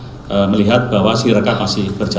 sebetulnya kita masih melihat bahwa sirekam itu masih berjalan